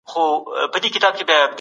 زمان